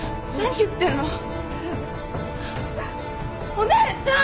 お姉ちゃん。